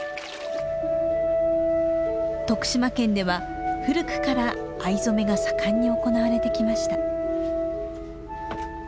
徳島県では古くから藍染めが盛んに行われてきました。